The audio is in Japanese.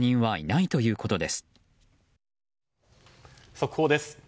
速報です。